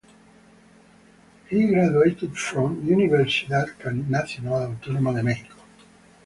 He graduated from Universidad Nacional Autonoma de Mexico.